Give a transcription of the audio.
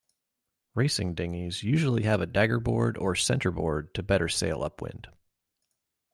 Racing dinghies usually have a daggerboard or centreboard to better sail upwind.